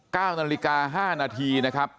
๙นาฬิกา๕นาทีนะครับ